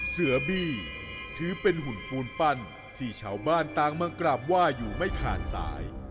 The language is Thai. เสือบี้ถือเป็นหุ่นปูนปั้นที่ชาวบ้านต่างมากราบไหว้อยู่ไม่ขาดสาย